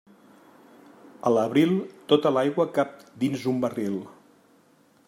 A l'abril, tota l'aigua cap dins un barril.